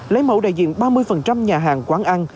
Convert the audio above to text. lấy mẫu đại diện ba mươi nhà hàng quán ăn